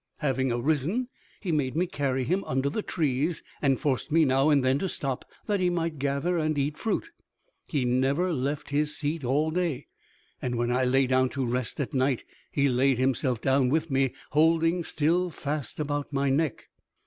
Having arisen, he made me carry him under the trees, and forced me now and then to stop, that he might gather and eat fruit. He never left his seat all day; and when I lay down to rest at night, he laid himself down with me, holding still fast about my neck.